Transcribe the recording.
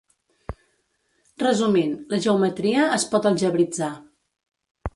Resumint, la geometria es pot algebritzar.